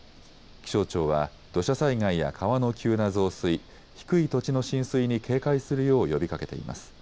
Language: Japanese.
気象庁は土砂災害や川の急な増水、低い土地の浸水に警戒するよう呼びかけています。